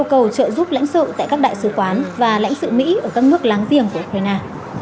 bộ ngoại giao mỹ cũng cho biết chính phủ mỹ có thể yêu cầu trợ giúp lãnh sự tại các đại sứ quán và lãnh sự mỹ ở các nước láng giềng của ukraine